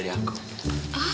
mama jangan ngomong sembarangan ma